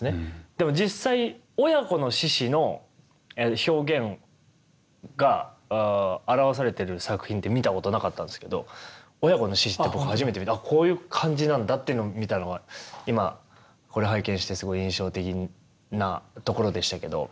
でも実際親子の獅子の表現が表されてる作品って見たことなかったんですけど親子の獅子って僕初めて見てあこういう感じなんだっていうみたいのが今これを拝見してすごい印象的なところでしたけど。